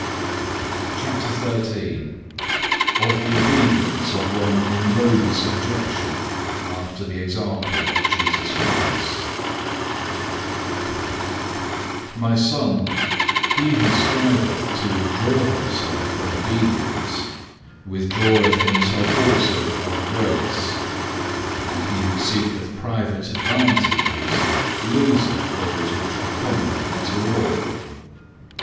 (1) Ecclesiastes xviii. 30. (2) Psalm xxxvii. 4. CHAPTER XIII Of the obedience of one in lowly subjection after the example of Jesus Christ "My Son, he who striveth to withdraw himself from obedience, withdraweth himself also from grace, and he who seeketh private advantages, loseth those which are common unto all.